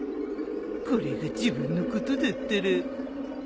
これが自分のことだったら